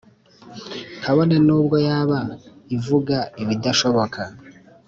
kabone nu bwo yaba ivuga ibidashoboka.